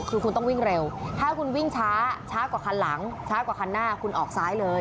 คือคุณต้องวิ่งเร็วถ้าคุณวิ่งช้าช้ากว่าคันหลังช้ากว่าคันหน้าคุณออกซ้ายเลย